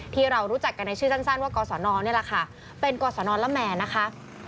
ที่เรารู้จักกันในชื่อสั้นว่ากศนนี่แหละค่ะเป็นกศนละแม่นะคะ